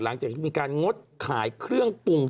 หลังจากที่มีการงดขายเครื่องปรุง